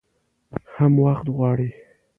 هم وخت غواړي .